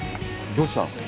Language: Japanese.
どうしたの？